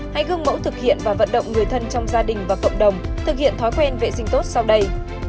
hãy gương mẫu thực hiện và vận động người thân trong gia đình và cộng đồng thực hiện thói quen vệ sinh tốt sau đây